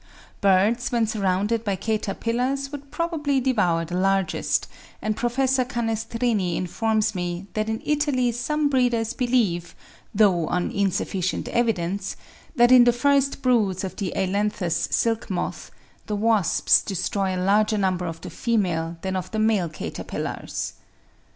Birds when surrounded by caterpillars would probably devour the largest; and Professor Canestrini informs me that in Italy some breeders believe, though on insufficient evidence, that in the first broods of the Ailanthus silk moth, the wasps destroy a larger number of the female than of the male caterpillars.